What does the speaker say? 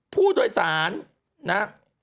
ผู้โดยสารนะ